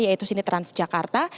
yaitu sini transjakarta